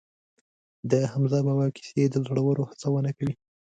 د حمزه بابا کیسې د زړورو هڅونه کوي.